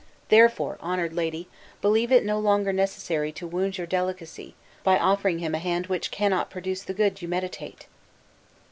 Therefore, honored lady, believe it no longer necessary to wound your delicacy, by offering him a hand, which cannot produce the good you meditate!"